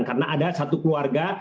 karena ada satu keluarga